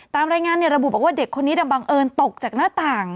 ตามรายงานระบุบอกว่าเด็กคนนี้บังเอิญตกจากหน้าต่าง